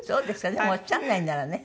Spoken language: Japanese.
でもおっしゃらないならね